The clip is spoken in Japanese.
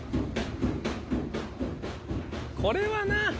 これはな。